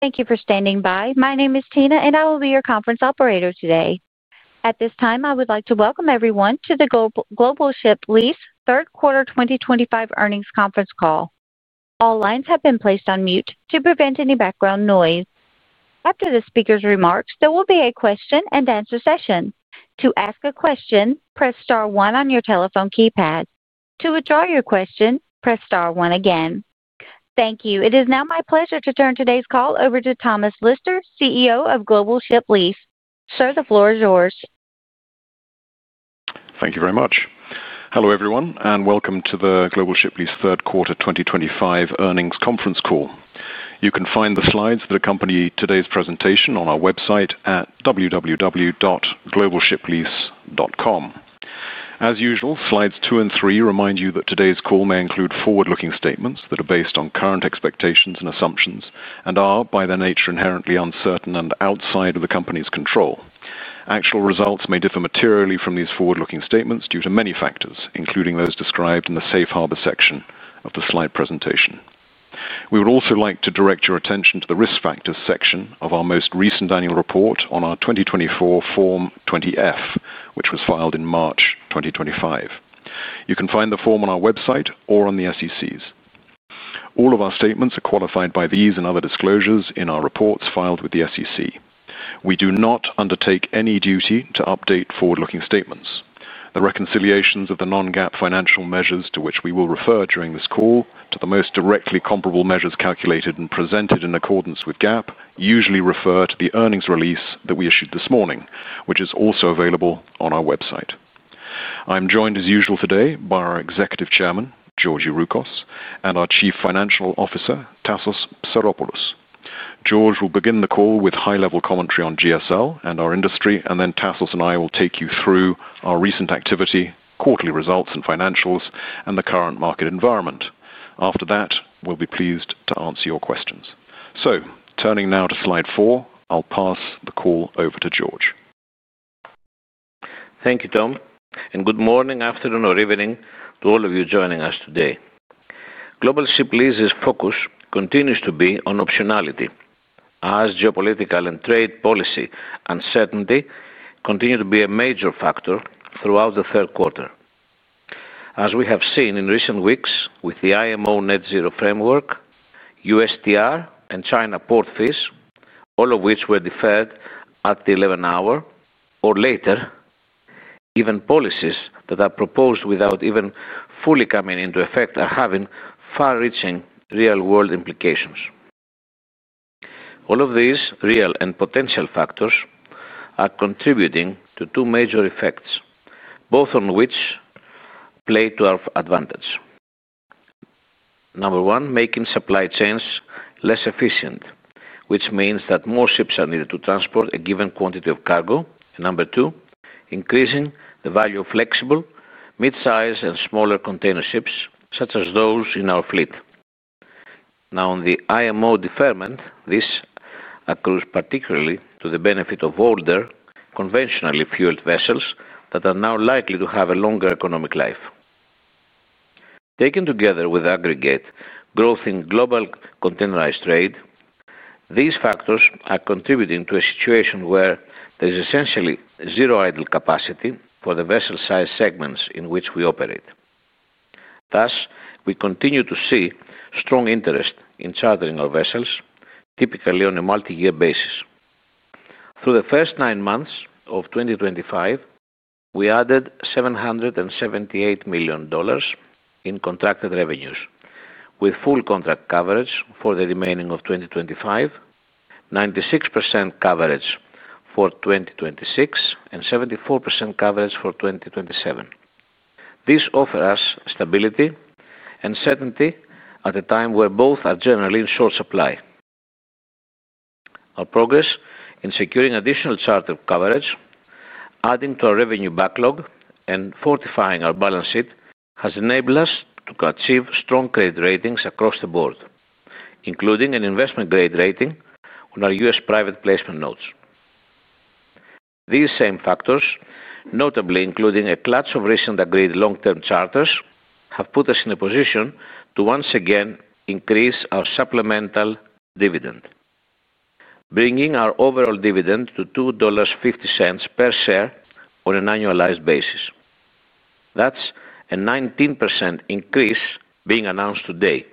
Thank you for standing by. My name is Tina, and I will be your conference operator today. At this time, I would like to welcome everyone to the Global Ship Lease third quarter 2025 earnings conference call. All lines have been placed on mute to prevent any background noise. After the speaker's remarks, there will be a question and answer session. To ask a question, press star one on your telephone keypad. To withdraw your question, press star one again. Thank you. It is now my pleasure to turn today's call over to Thomas Lister, CEO of Global Ship Lease. Sir, the floor is yours. Thank you very much. Hello everyone, and welcome to the Global Ship Lease third quarter 2025 earnings conference call. You can find the slides that accompany today's presentation on our website at www.globalshiplease.com. As usual, slides two and three remind you that today's call may include forward-looking statements that are based on current expectations and assumptions and are, by their nature, inherently uncertain and outside of the company's control. Actual results may differ materially from these forward-looking statements due to many factors, including those described in the safe harbor section of the slide presentation. We would also like to direct your attention to the risk factors section of our most recent annual report on our 2024 Form 20F, which was filed in March 2025. You can find the form on our website or on the SEC's. All of our statements are qualified by these and other disclosures in our reports filed with the SEC. We do not undertake any duty to update forward-looking statements. The reconciliations of the Non-GAAP financial measures to which we will refer during this call to the most directly comparable measures calculated and presented in accordance with GAAP usually refer to the earnings release that we issued this morning, which is also available on our website. I'm joined, as usual, today by our Executive Chairman, George Youroukos, and our Chief Financial Officer, Tassos Psaropoulos. George will begin the call with high-level commentary on GSL and our industry, and then Tassos and I will take you through our recent activity, quarterly results and financials, and the current market environment. After that, we'll be pleased to answer your questions. Turning now to slide four, I'll pass the call over to George. Thank you, Tom, and good morning, afternoon, or evening to all of you joining us today. Global Ship Lease's focus continues to be on optionality, as geopolitical and trade policy uncertainty continues to be a major factor throughout the third quarter. As we have seen in recent weeks with the IMO net-zero framework, USTR, and China port fees, all of which were deferred at the 11 hour or later, even policies that are proposed without even fully coming into effect are having far-reaching real-world implications. All of these real and potential factors are contributing to two major effects, both of which play to our advantage. Number one, making supply chains less efficient, which means that more ships are needed to transport a given quantity of cargo. Number two, increasing the value of flexible, mid-size, and smaller container ships such as those in our fleet. Now, on the IMO deferment, this accrues particularly to the benefit of older conventionally fueled vessels that are now likely to have a longer economic life. Taken together with aggregate growth in global containerized trade, these factors are contributing to a situation where there is essentially zero idle capacity for the vessel size segments in which we operate. Thus, we continue to see strong interest in chartering our vessels, typically on a multi-year basis. Through the first nine months of 2025, we added $778 million in contracted revenues, with full contract coverage for the remaining of 2025, 96% coverage for 2026, and 74% coverage for 2027. This offers us stability and certainty at a time where both are generally in short supply. Our progress in securing additional charter coverage, adding to our revenue backlog, and fortifying our balance sheet has enabled us to achieve strong trade ratings across the board, including an investment-grade rating on our U.S. private placement notes. These same factors, notably including a clutch of recently agreed long-term charters, have put us in a position to once again increase our supplemental dividend, bringing our overall dividend to $2.50 per share on an annualized basis. That is a 19% increase being announced today.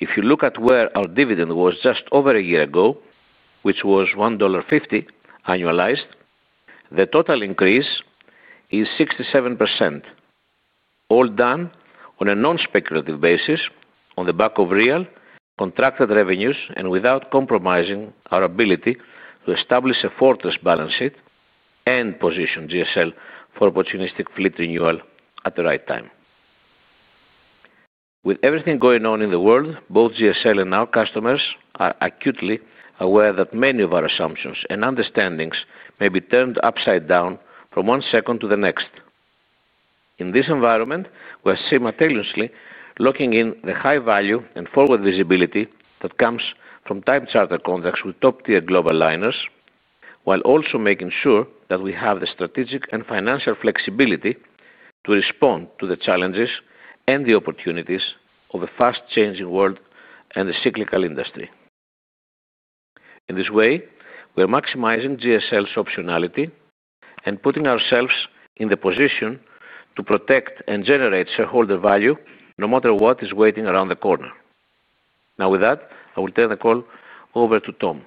If you look at where our dividend was just over a year ago, which was $1.50 annualized, the total increase is 67%, all done on a non-speculative basis on the back of real contracted revenues and without compromising our ability to establish a fortress balance sheet and position GSL for opportunistic fleet renewal at the right time. With everything going on in the world, both GSL and our customers are acutely aware that many of our assumptions and understandings may be turned upside down from one second to the next. In this environment, we are simultaneously locking in the high value and forward visibility that comes from tight charter contracts with top-tier global liners, while also making sure that we have the strategic and financial flexibility to respond to the challenges and the opportunities of a fast-changing world and the cyclical industry. In this way, we are maximizing GSL's optionality and putting ourselves in the position to protect and generate shareholder value no matter what is waiting around the corner. Now, with that, I will turn the call over to Tom.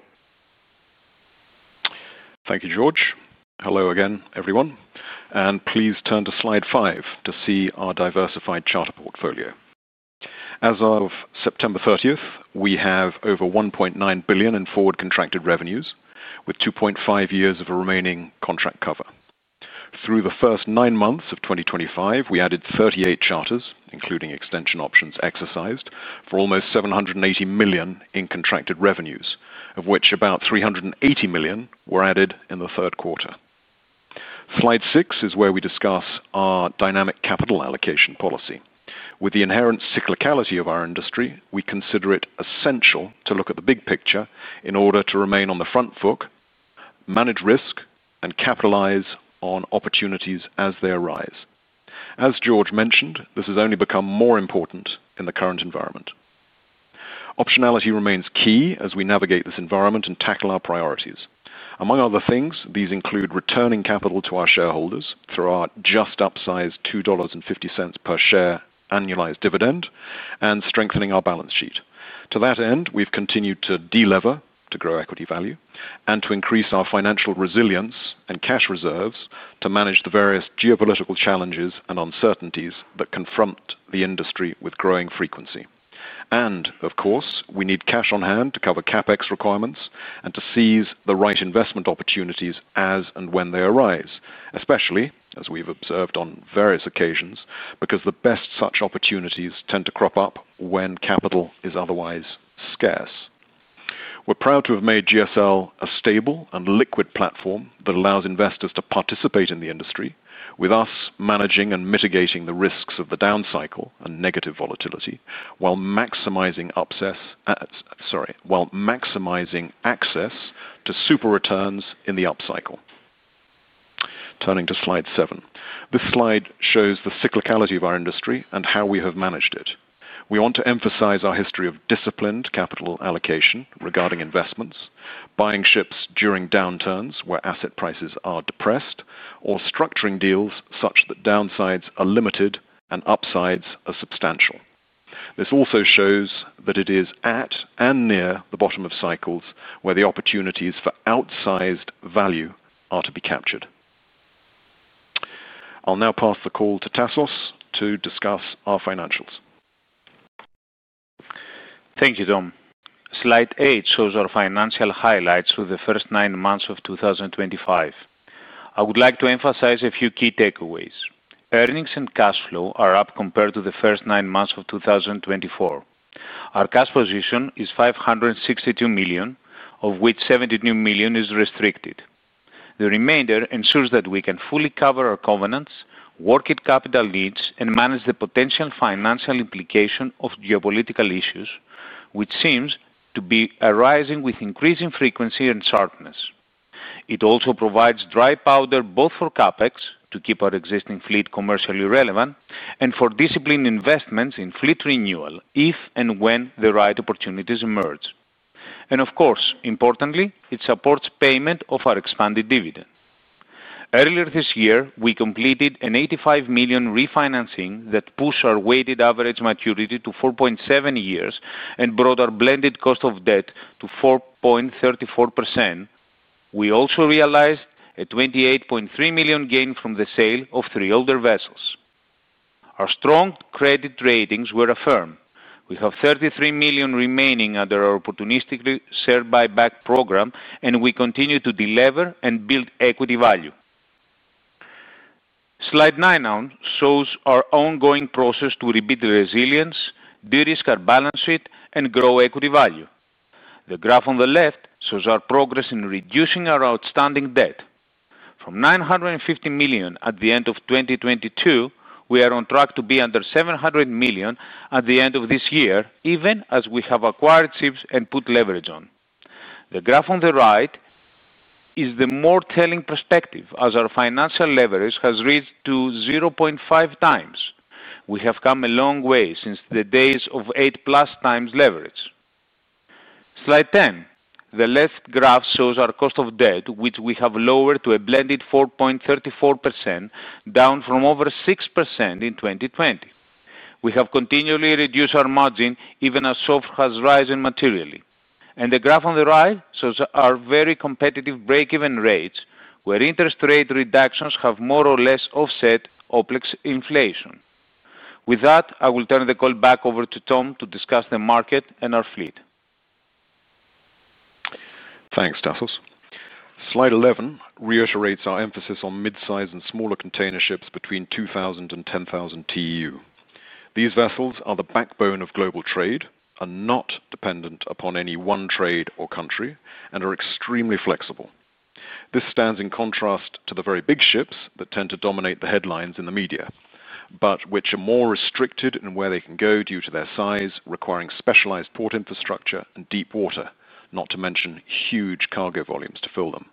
Thank you, George. Hello again, everyone. Please turn to slide five to see our diversified charter portfolio. As of September 30th, we have over $1.9 billion in forward contracted revenues, with 2.5 years of remaining contract cover. Through the first nine months of 2025, we added 38 charters, including extension options exercised, for almost $780 million in contracted revenues, of which about $380 million were added in the third quarter. Slide six is where we discuss our dynamic capital allocation policy. With the inherent cyclicality of our industry, we consider it essential to look at the big picture in order to remain on the front foot, manage risk, and capitalize on opportunities as they arise. As George mentioned, this has only become more important in the current environment. Optionality remains key as we navigate this environment and tackle our priorities. Among other things, these include returning capital to our shareholders through our just upsized $2.50 per share annualized dividend and strengthening our balance sheet. To that end, we've continued to delever to grow equity value and to increase our financial resilience and cash reserves to manage the various geopolitical challenges and uncertainties that confront the industry with growing frequency. Of course, we need cash on hand to cover CapEx requirements and to seize the right investment opportunities as and when they arise, especially, as we've observed on various occasions, because the best such opportunities tend to crop up when capital is otherwise scarce. We're proud to have made GSL a stable and liquid platform that allows investors to participate in the industry, with us managing and mitigating the risks of the down cycle and negative volatility while maximizing access to super returns in the up cycle. Turning to slide seven, this slide shows the cyclicality of our industry and how we have managed it. We want to emphasize our history of disciplined capital allocation regarding investments, buying ships during downturns where asset prices are depressed, or structuring deals such that downsides are limited and upsides are substantial. This also shows that it is at and near the bottom of cycles where the opportunities for outsized value are to be captured. I'll now pass the call to Tassos to discuss our financials. Thank you, Tom. Slide eight shows our financial highlights for the first nine months of 2025. I would like to emphasize a few key takeaways. Earnings and cash flow are up compared to the first nine months of 2024. Our cash position is $562 million, of which $72 million is restricted. The remainder ensures that we can fully cover our covenants, work at capital needs, and manage the potential financial implication of geopolitical issues, which seems to be arising with increasing frequency and sharpness. It also provides dry powder both for CapEx to keep our existing fleet commercially relevant and for disciplined investments in fleet renewal if and when the right opportunities emerge. Of course, importantly, it supports payment of our expanded dividend. Earlier this year, we completed an $85 million refinancing that pushed our weighted average maturity to 4.7 years and brought our blended cost of debt to 4.34%. We also realized a $28.3 million gain from the sale of three older vessels. Our strong credit ratings were affirmed. We have $33 million remaining under our opportunistic share buyback program, and we continue to deliver and build equity value. Slide nine now shows our ongoing process to rebuild resilience, de-risk our balance sheet, and grow equity value. The graph on the left shows our progress in reducing our outstanding debt. From $950 million at the end of 2022, we are on track to be under $700 million at the end of this year, even as we have acquired ships and put leverage on. The graph on the right is the more telling perspective as our financial leverage has reached 0.5x. We have come a long way since the days of 8+x leverage. Slide 10. The left graph shows our cost of debt, which we have lowered to a blended 4.34%, down from over 6% in 2020. We have continually reduced our margin even as SOFR has risen materially. The graph on the right shows our very competitive break-even rates, where interest rate reductions have more or less offset less offset OpEx inflation inflation. With that, I will turn the call back over to Tom to discuss the market and our fleet. Thanks, Tassos. Slide 11 reiterates our emphasis on mid-size and smaller container ships between 2,000 and 10,000 TEU. These vessels are the backbone of global trade, are not dependent upon any one trade or country, and are extremely flexible. This stands in contrast to the very big ships that tend to dominate the headlines in the media, but which are more restricted in where they can go due to their size, requiring specialized port infrastructure and deep water, not to mention huge cargo volumes to fill them.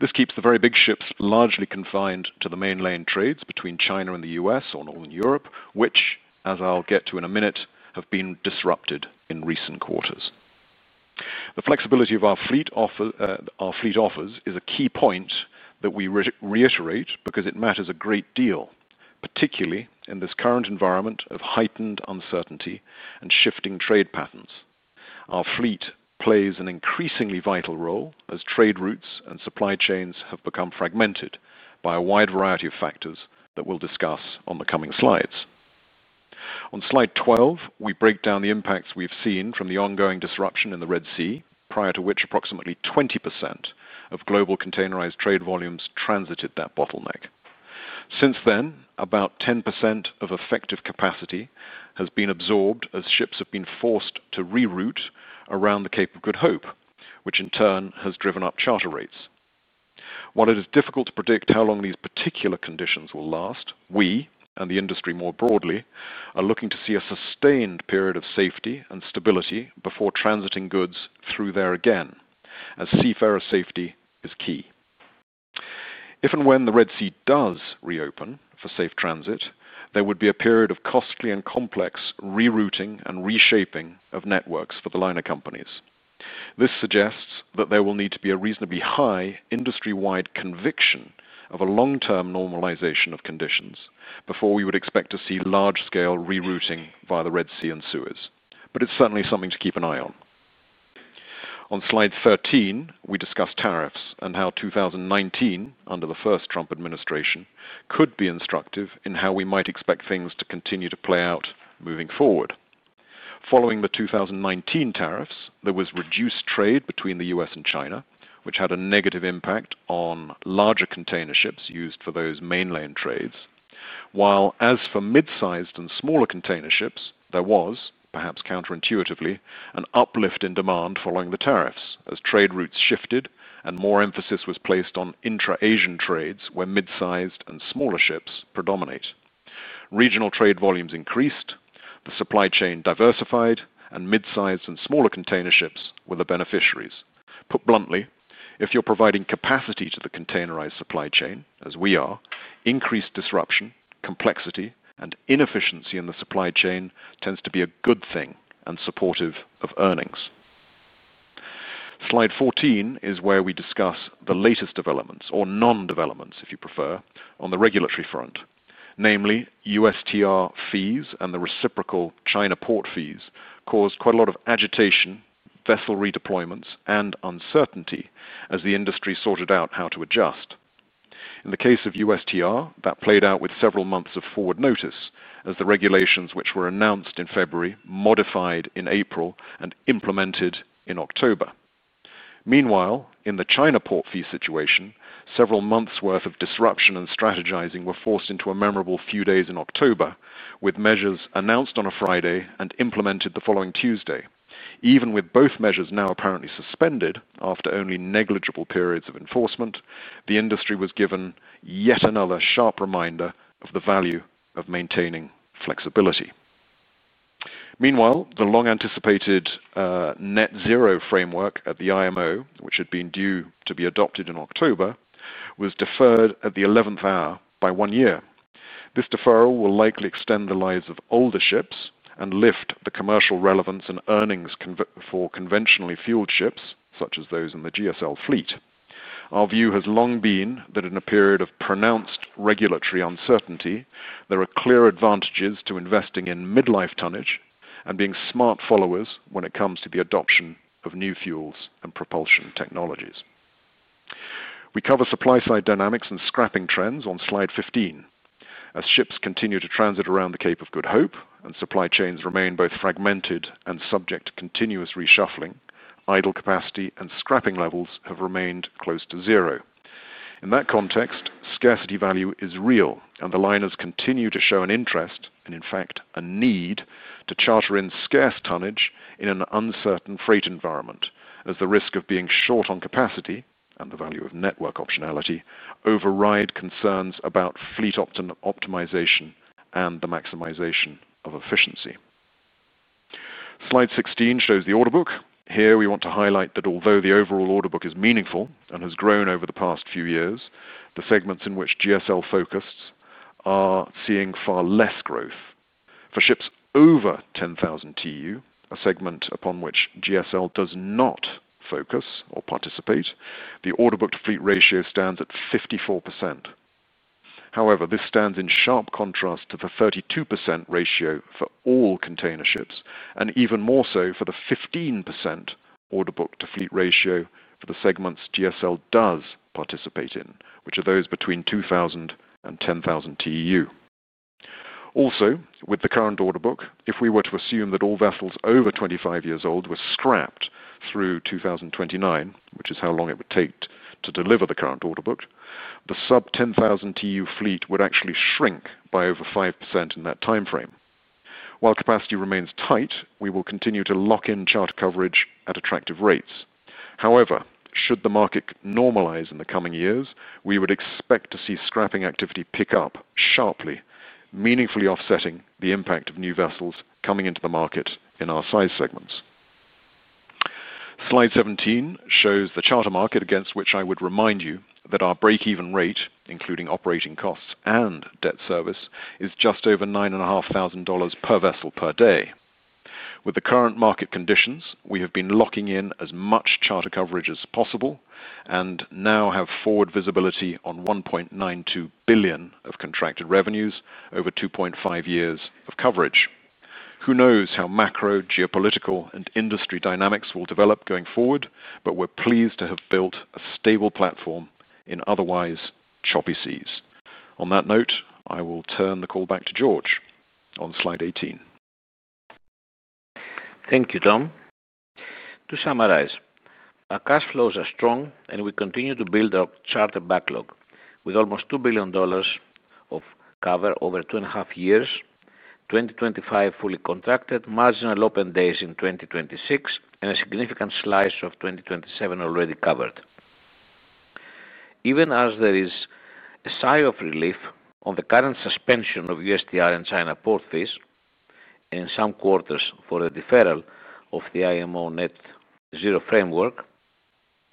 This keeps the very big ships largely confined to the mainline trades between China and the U.S. or Northern Europe, which, as I'll get to in a minute, have been disrupted in recent quarters. The flexibility of our fleet offers is a key point that we reiterate because it matters a great deal, particularly in this current environment of heightened uncertainty and shifting trade patterns. Our fleet plays an increasingly vital role as trade routes and supply chains have become fragmented by a wide variety of factors that we'll discuss on the coming slides. On slide 12, we break down the impacts we've seen from the ongoing disruption in the Red Sea, prior to which approximately 20% of global containerized trade volumes transited that bottleneck. Since then, about 10% of effective capacity has been absorbed as ships have been forced to reroute around the Cape of Good Hope, which in turn has driven up charter rates. While it is difficult to predict how long these particular conditions will last, we, and the industry more broadly, are looking to see a sustained period of safety and stability before transiting goods through there again, as seafarer safety is key. If and when the Red Sea does reopen for safe transit, there would be a period of costly and complex rerouting and reshaping of networks for the liner companies. This suggests that there will need to be a reasonably high industry-wide conviction of a long-term normalization of conditions before we would expect to see large-scale rerouting via the Red Sea and Suez. It is certainly something to keep an eye on. On slide 13, we discuss tariffs and how 2019, under the first Trump administration, could be instructive in how we might expect things to continue to play out moving forward. Following the 2019 tariffs, there was reduced trade between the U.S. and China, which had a negative impact on larger container ships used for those mainland trades, while, as for mid-sized and smaller container ships, there was, perhaps counterintuitively, an uplift in demand following the tariffs as trade routes shifted and more emphasis was placed on intra-Asian trades where mid-sized and smaller ships predominate. Regional trade volumes increased, the supply chain diversified, and mid-sized and smaller container ships were the beneficiaries. Put bluntly, if you're providing capacity to the containerized supply chain, as we are, increased disruption, complexity, and inefficiency in the supply chain tends to be a good thing and supportive of earnings. Slide 14 is where we discuss the latest developments, or non-developments if you prefer, on the regulatory front. Namely, USTR fees and the reciprocal China port fees caused quite a lot of agitation, vessel redeployments, and uncertainty as the industry sorted out how to adjust. In the case of USTR, that played out with several months of forward notice, as the regulations which were announced in February modified in April and implemented in October. Meanwhile, in the China port fee situation, several months' worth of disruption and strategizing were forced into a memorable few days in October, with measures announced on a Friday and implemented the following Tuesday. Even with both measures now apparently suspended after only negligible periods of enforcement, the industry was given yet another sharp reminder of the value of maintaining flexibility. Meanwhile, the long-anticipated net-zero framework at the IMO, which had been due to be adopted in October, was deferred at the 11th hour by one year. This deferral will likely extend the lives of older ships and lift the commercial relevance and earnings for conventionally fueled ships such as those in the GSL fleet. Our view has long been that in a period of pronounced regulatory uncertainty, there are clear advantages to investing in mid-life tonnage and being smart followers when it comes to the adoption of new fuels and propulsion technologies. We cover supply-side dynamics and scrapping trends on slide 15. As ships continue to transit around the Cape of Good Hope and supply chains remain both fragmented and subject to continuous reshuffling, idle capacity and scrapping levels have remained close to zero. In that context, scarcity value is real, and the liners continue to show an interest and, in fact, a need to charter in scarce tonnage in an uncertain freight environment, as the risk of being short on capacity and the value of network optionality override concerns about fleet optimization and the maximization of efficiency. Slide 16 shows the order book. Here, we want to highlight that although the overall order book is meaningful and has grown over the past few years, the segments in which GSL focused are seeing far less growth. For ships over 10,000 TEU, a segment upon which GSL does not focus or participate, the order booked fleet ratio stands at 54%. However, this stands in sharp contrast to the 32% ratio for all container ships and even more so for the 15% order book fleet ratio for the segments GSL does participate in, which are those between 2,000 and 10,000 TEU. Also, with the current order book, if we were to assume that all vessels over 25 years old were scrapped through 2029, which is how long it would take to deliver the current order book, the sub-10,000 TEU fleet would actually shrink by over 5% in that time frame. While capacity remains tight, we will continue to lock in charter coverage at attractive rates. However, should the market normalize in the coming years, we would expect to see scrapping activity pick up sharply, meaningfully offsetting the impact of new vessels coming into the market in our size segments. Slide 17 shows the charter market, against which I would remind you that our break-even rate, including operating costs and debt service, is just over $9.500 per vessel per day. With the current market conditions, we have been locking in as much charter coverage as possible and now have forward visibility on $1.92 billion of contracted revenues over 2.5 years of coverage. Who knows how macro, geopolitical, and industry dynamics will develop going forward, but we're pleased to have built a stable platform in otherwise choppy seas. On that note, I will turn the call back to George on slide 18. Thank you, Tom. To summarize, our cash flows are strong, and we continue to build our charter backlog with almost $2 billion of cover over two and a half years, 2025 fully contracted, marginal open days in 2026, and a significant slice of 2027 already covered. Even as there is a sigh of relief on the current suspension of USTR and China port fees in some quarters for the deferral of the IMO net-zero framework,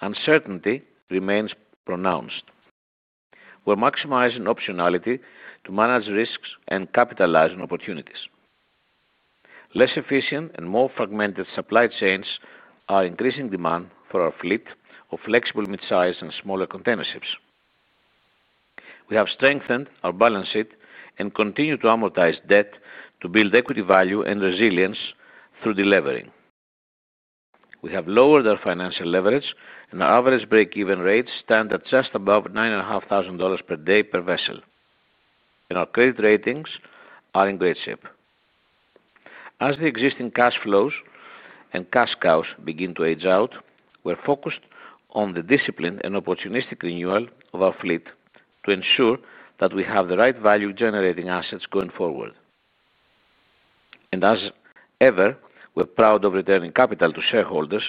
uncertainty remains pronounced. We're maximizing optionality to manage risks and capitalize on opportunities. Less efficient and more fragmented supply chains are increasing demand for our fleet of flexible mid-sized and smaller container ships. We have strengthened our balance sheet and continue to amortize debt to build equity value and resilience through delivering. We have lowered our financial leverage, and our average break-even rate stands at just above $9.500 per day per vessel, and our credit ratings are in great shape. As the existing cash flows and cash cows begin to age out, we are focused on the disciplined and opportunistic renewal of our fleet to ensure that we have the right value-generating assets going forward. We are proud of returning capital to shareholders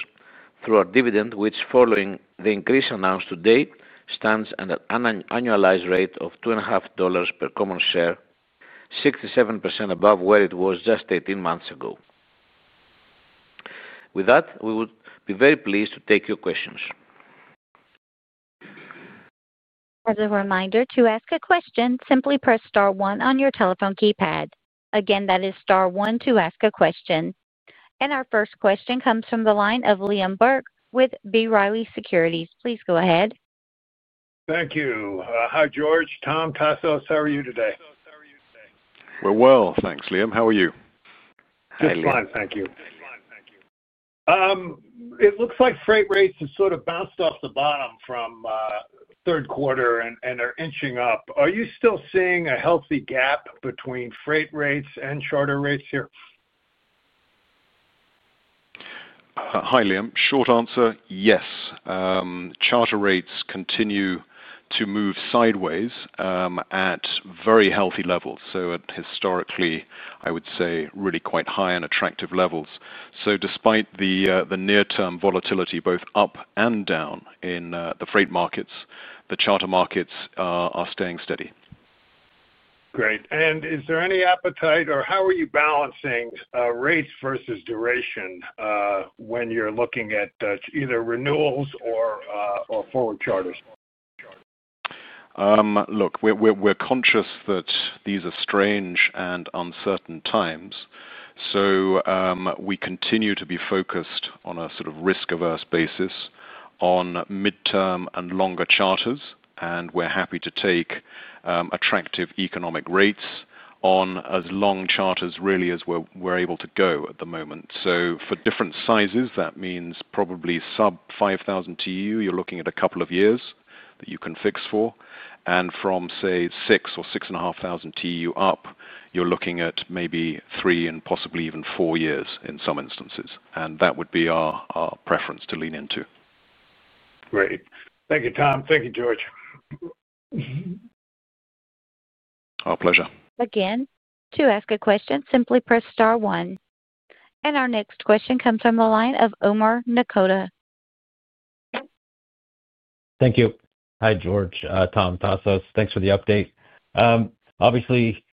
through our dividend, which, following the increase announced today, stands at an annualized rate of $2.50 per common share, 67% above where it was just 18 months ago. With that, we would be very pleased to take your questions. As a reminder, to ask a question, simply press star one on your telephone keypad. Again, that is star one to ask a question. Our first question comes from the line of Liam Burke with B. Riley Securities. Please go ahead. Thank you. Hi, George. Tom, Tassos, how are you today? We're well, thanks, Liam. How are you? Just fine, thank you. It looks like freight rates have sort of bounced off the bottom from third quarter and are inching up. Are you still seeing a healthy gap between freight rates and charter rates here? Hi, Liam. Short answer, yes. Charter rates continue to move sideways at very healthy levels. Historically, I would say really quite high and attractive levels. Despite the near-term volatility, both up and down in the freight markets, the charter markets are staying steady. Great. Is there any appetite, or how are you balancing rates versus duration when you're looking at either renewals or forward charters? Look, we're conscious that these are strange and uncertain times. We continue to be focused on a sort of risk-averse basis on mid-term and longer charters, and we're happy to take attractive economic rates on as long charters really as we're able to go at the moment. For different sizes, that means probably sub-5,000 TEU, you're looking at a couple of years that you can fix for. From, say, six or six and a half thousand TEU up, you're looking at maybe three and possibly even four years in some instances. That would be our preference to lean into. Great. Thank you, Tom. Thank you, George. Our pleasure. Again, to ask a question, simply press star one. Our next question comes from the line of Omar Nokta. Thank you. Hi, George. Tom, Tassos, thanks for the update. Obviously,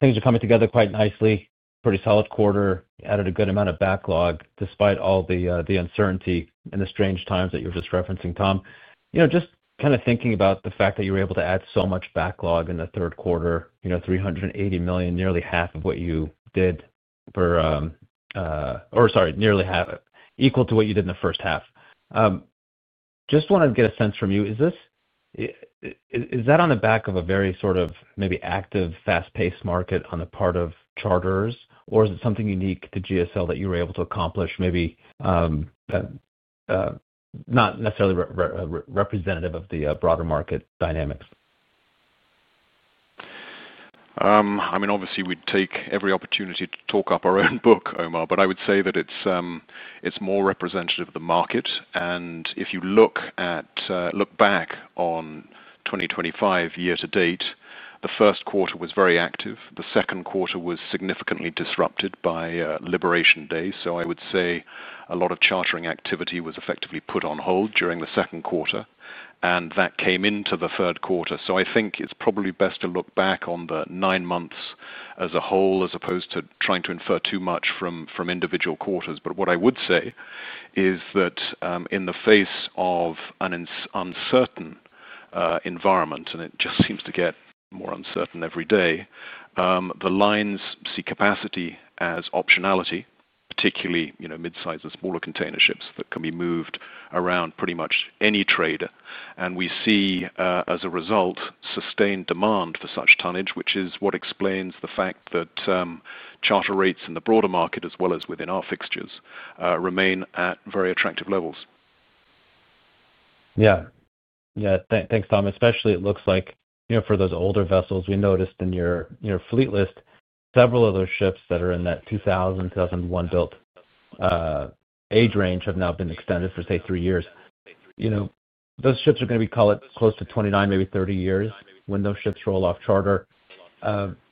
things are coming together quite nicely. Pretty solid quarter. You added a good amount of backlog despite all the uncertainty and the strange times that you were just referencing, Tom. Just kind of thinking about the fact that you were able to add so much backlog in the third quarter, $380 million, nearly half of what you did for or sorry, nearly half equal to what you did in the first half. Just wanted to get a sense from you, is that on the back of a very sort of maybe active, fast-paced market on the part of charters, or is it something unique to GSL that you were able to accomplish, maybe not necessarily representative of the broader market dynamics? I mean, obviously, we'd take every opportunity to talk up our own book, Omar, but I would say that it's more representative of the market. If you look back on 2025 year to date, the first quarter was very active. The second quarter was significantly disrupted by liberation days. I would say a lot of chartering activity was effectively put on hold during the second quarter, and that came into the third quarter. I think it's probably best to look back on the nine months as a whole as opposed to trying to infer too much from individual quarters. What I would say is that in the face of an uncertain environment, and it just seems to get more uncertain every day, the lines see capacity as optionality, particularly mid-sized and smaller container ships that can be moved around pretty much any trader. We see, as a result, sustained demand for such tonnage, which is what explains the fact that charter rates in the broader market, as well as within our fixtures, remain at very attractive levels. Yeah. Yeah. Thanks, Tom. Especially, it looks like for those older vessels, we noticed in your fleet list, several of those ships that are in that 2000, 2001 built age range have now been extended for, say, three years. Those ships are going to be, call it, close to 29, maybe 30 years when those ships roll off charter.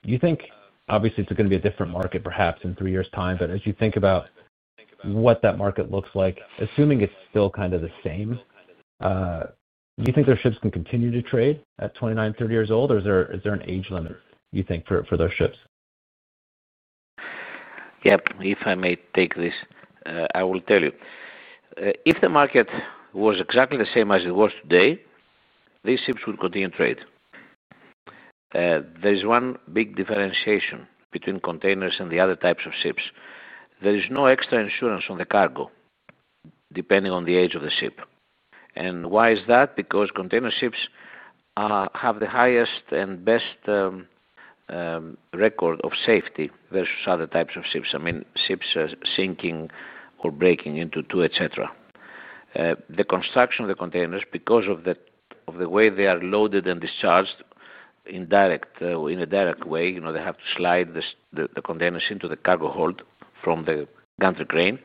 You think, obviously, it's going to be a different market perhaps in three years' time, but as you think about what that market looks like, assuming it's still kind of the same, do you think those ships can continue to trade at 29, 30 years old, or is there an age limit, you think, for those ships? Yep. If I may take this, I will tell you. If the market was exactly the same as it was today, these ships would continue to trade. There is one big differentiation between containers and the other types of ships. There is no extra insurance on the cargo depending on the age of the ship. And why is that? Because container ships have the highest and best record of safety versus other types of ships. I mean, ships sinking or breaking into two, etc. The construction of the containers, because of the way they are loaded and discharged in a direct way, they have to slide the containers into the cargo hold from the gantry crane.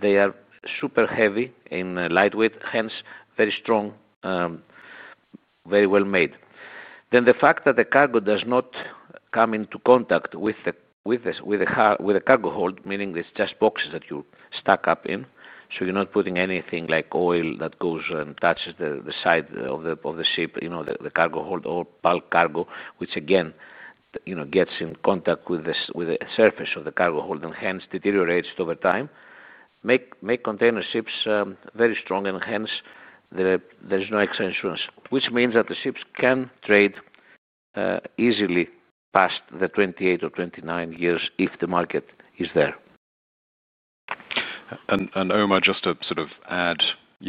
They are super heavy in lightweight, hence very strong, very well made. The fact that the cargo does not come into contact with the cargo hold, meaning it's just boxes that you stack up in, so you're not putting anything like oil that goes and touches the side of the ship, the cargo hold or bulk cargo, which again gets in contact with the surface of the cargo hold and hence deteriorates over time, make container ships very strong and hence there is no extra insurance, which means that the ships can trade easily past the 28 or 29 years if the market is there. Omar, just to sort of add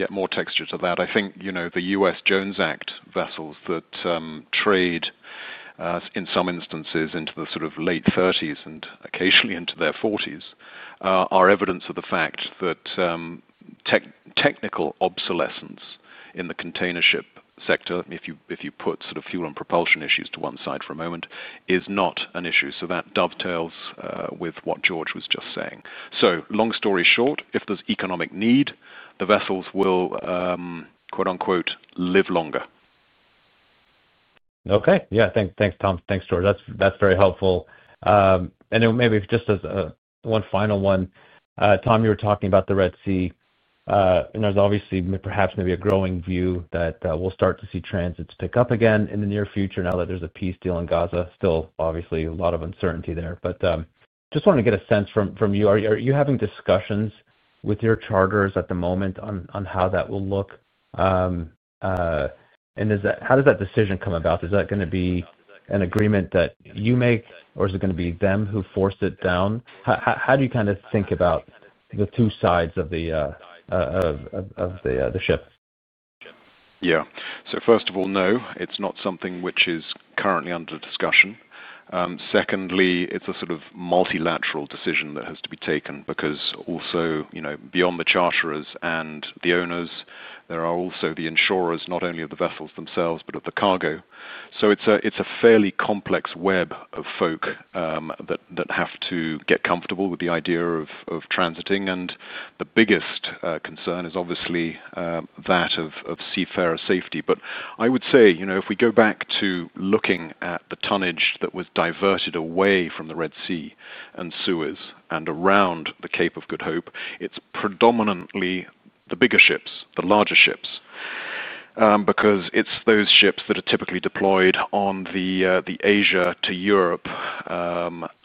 more texture to that, I think the U.S. Jones Act vessels that trade in some instances into the sort of late 30s and occasionally into their 40s are evidence of the fact that technical obsolescence in the container ship sector, if you put sort of fuel and propulsion issues to one side for a moment, is not an issue. That dovetails with what George was just saying. Long story short, if there is economic need, the vessels will "live longer. Okay. Yeah. Thanks, Tom. Thanks, George. That's very helpful. Maybe just one final one. Tom, you were talking about the Red Sea, and there's obviously perhaps maybe a growing view that we'll start to see transits pick up again in the near future now that there's a peace deal in Gaza. Still, obviously, a lot of uncertainty there. Just wanted to get a sense from you. Are you having discussions with your charters at the moment on how that will look? How does that decision come about? Is that going to be an agreement that you make, or is it going to be them who force it down? How do you kind of think about the two sides of the ship? Yeah. First of all, no. It's not something which is currently under discussion. Secondly, it's a sort of multilateral decision that has to be taken because also beyond the charterers and the owners, there are also the insurers, not only of the vessels themselves, but of the cargo. It's a fairly complex web of folk that have to get comfortable with the idea of transiting. The biggest concern is obviously that of seafarer safety. I would say if we go back to looking at the tonnage that was diverted away from the Red Sea and Suez and around the Cape of Good Hope, it's predominantly the bigger ships, the larger ships, because it's those ships that are typically deployed on the Asia to Europe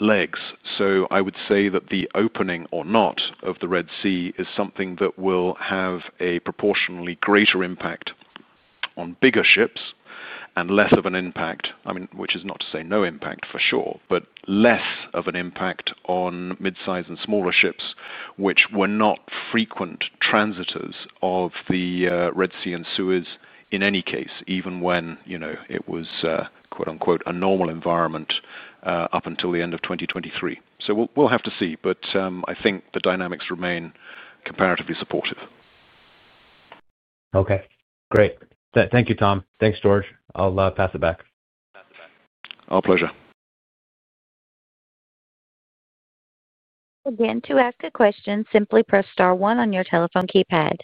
legs. I would say that the opening or not of the Red Sea is something that will have a proportionally greater impact on bigger ships and less of an impact, I mean, which is not to say no impact for sure, but less of an impact on mid-sized and smaller ships, which were not frequent transitors of the Red Sea and Suez in any case, even when it was "a normal environment" up until the end of 2023. We will have to see, but I think the dynamics remain comparatively supportive. Okay. Great. Thank you, Tom. Thanks, George. I'll pass it back. Our pleasure. Again, to ask a question, simply press star one on your telephone keypad.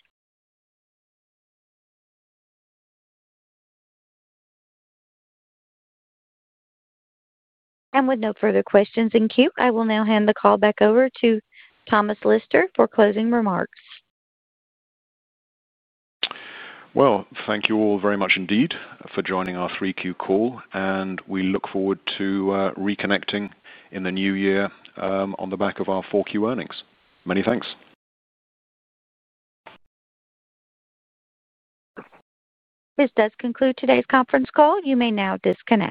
With no further questions in queue, I will now hand the call back over to Thomas Lister for closing remarks. Thank you all very much indeed for joining our 3Q call, and we look forward to reconnecting in the new year on the back of our 4Q earnings. Many thanks. This does conclude today's conference call. You may now disconnect.